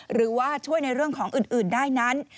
หรือว่าช่วยในเรื่องของอื่นได้นั้น